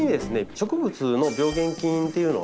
植物の病原菌っていうのはですね